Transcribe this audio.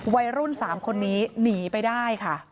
วัยรุ่น๓คนนี้หนีไปได้ค่ะ